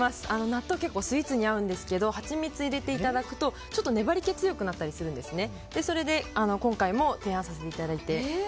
納豆、結構スイーツに合うんですけどハチミツを入れていただくとちょっと粘り気が強くなったりするんですね。